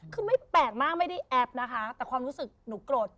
คือไม่แปลกมากไม่ได้แอปนะคะแต่ความรู้สึกหนูโกรธ